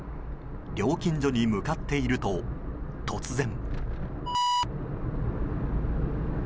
料金所に向かっていると突然。